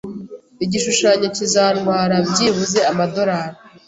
Igishushanyo kizatwara byibuze amadorari